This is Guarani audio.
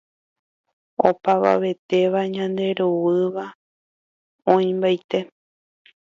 opavavetéva ñanderuguýva oĩmbaite